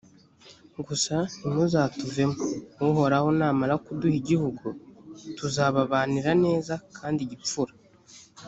gusa ntimuzatuvemo! uhoraho namara kuduha igihugu, tuzababanira neza kandi gipfura.